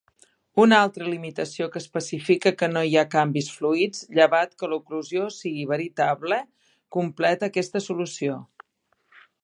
Una altra limitació que especifica que no hi ha canvis fluids llevat que l'oclusió sigui veritable completa aquesta solució.